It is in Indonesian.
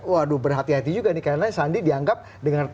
waduh berhati hati juga nih karena sandi dianggap dengan